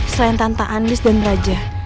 selain tanpa andis dan raja